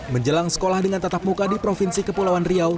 menjelang sekolah dengan tatap muka di provinsi kepulauan riau